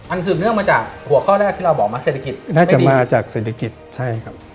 สืบเนื่องมาจากหัวข้อแรกที่เราบอกมาเศรษฐกิจน่าจะดีมาจากเศรษฐกิจใช่ครับ